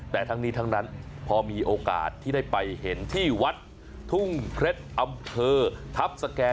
แต่ทั้งนี้ทั้งนั้นพอมีโอกาสที่ได้ไปเห็นที่วัดทุ่งเคล็ดอำเภอทัพสแก่